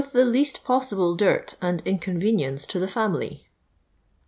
855 the least postible dirt and inconTenience to the fomily."